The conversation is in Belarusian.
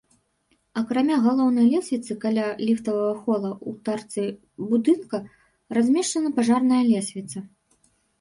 Акрамя галоўнай лесвіцы каля ліфтавага хола ў тарцы будынка размешчана пажарная лесвіца.